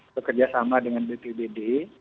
bekerja sama dengan bpdb